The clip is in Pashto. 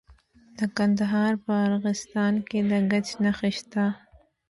د کندهار په ارغستان کې د ګچ نښې شته.